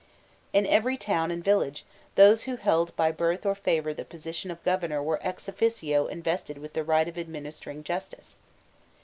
In every town and village, those who held by birth or favour the position of governor were ex officio invested with the right of administering justice.